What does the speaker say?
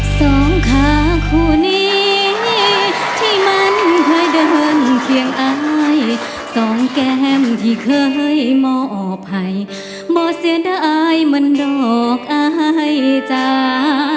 สองค่าคู่นี้ที่มันค่อยเดินเคียงอ้ายสองแก้มที่เคยมอบให้บ่เสียด้ายมันดอกอ้ายจ้า